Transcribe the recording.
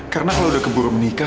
karena kalau udah keburu menikah